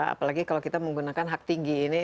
apalagi kalau kita menggunakan hak tinggi ini